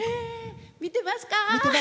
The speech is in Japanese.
見てますか？